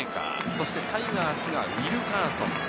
そしてタイガースがウィルカーソン。